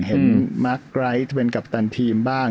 เห็นมัครไกรท์เวนกัปตันทีมบ้าง